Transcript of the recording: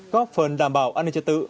có phần đảm bảo an ninh chất tự